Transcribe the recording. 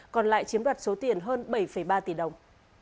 còn lại chiếm đoạt số tiền hơn bảy ba tỷ đồng